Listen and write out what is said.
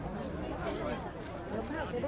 นะพวกนั้นไหวพี่